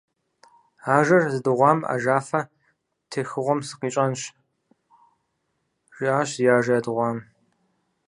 «Ажэр зыдыгъуам ажафэ техыгъуэм сыкъищӀэнщ», - жиӀащ зи ажэ ядыгъуам.